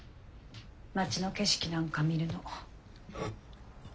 町の景色なんか見るの。